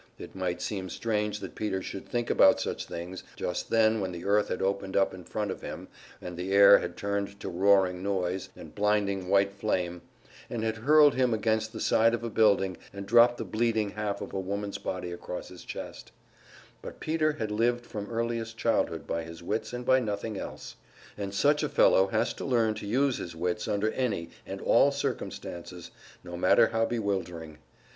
It might seem strange that Peter should think about such things, just then when the earth had opened up in front of him and the air had turned to roaring noise and blinding white flame, and had hurled him against the side of a building and dropped the bleeding half of a woman's body across his chest; but Peter had lived from earliest childhood by his wits and by nothing else, and such a fellow has to learn to use his wits under any and all circumstances, no matter how bewildering.